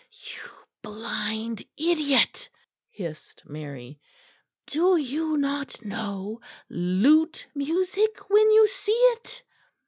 "You blind idiot," hissed Mary, "do you not know lute music when you see it?"